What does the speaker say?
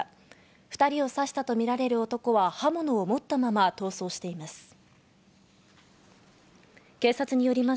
２人を刺したとみられる男は刃物を持ったまま逃走しています。